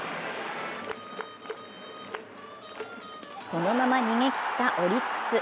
そのまま逃げきったオリックス。